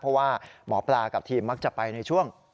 เพราะว่าหมอปลากับทีมมักจะไปในช่วง